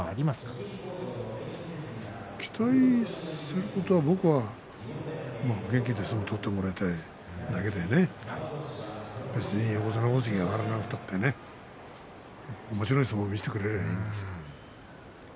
期待することは僕は元気で相撲を取ってもらいたいだけでね別に横綱大関に上がらなくたっておもしろい相撲を見せてくれればいいんですよ。